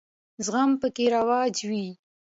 زغم پکې رواج وي.